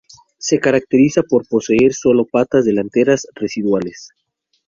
Se caracteriza por poseer sólo patas delanteras residuales.